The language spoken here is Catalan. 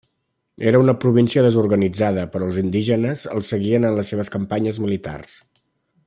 Era una província desorganitzada, però els indígenes el seguien en les seves campanyes militars.